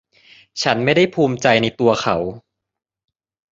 ฉันไม่ได้ภูมิใจในตัวเขา